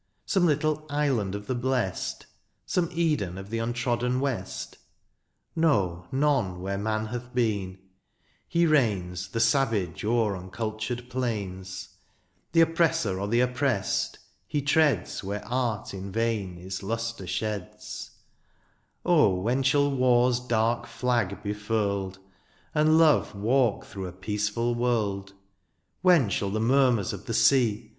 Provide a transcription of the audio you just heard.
Some little " island of the blest," Some Eden of the untrodden west ? No, none, where man hath been, he reigns The savage o'er uncultured plains ; The oppressor or the oppressed, he treads Where art in vain its lustre sheds : THE AREOPAGITE. 90 Oh ! when shall war's dark flag be furled^ And love walk through a peaceful world ; When shall the murmurs of the sea.